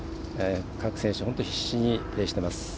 各選手、本当、必死にプレーしています。